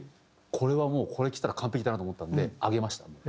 これはもうこれ着たら完璧だなと思ったんであげました。